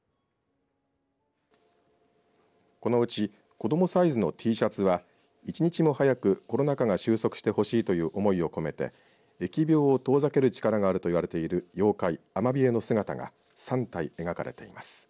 このうち子どもサイズのＴシャツは１日も早くコロナ禍が収束してほしいという思いを込めて疫病を遠ざける力があると言われている妖怪アマビエの姿が３体描かれています。